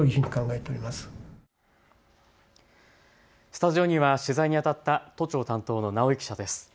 スタジオには取材にあたった都庁担当の直井記者です。